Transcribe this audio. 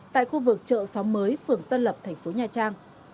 tại khu vực chợ xóm mới phường tân lập tp nha trang